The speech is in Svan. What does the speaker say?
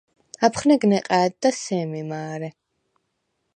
აფხნეგ ნეყა̄̈დდა სემი მა̄რე.